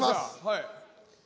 はい。